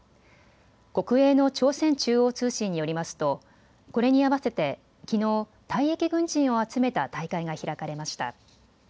国営の朝鮮中央通信によりますとこれに合わせてきのう、退役軍人を集めた大会が開かれました。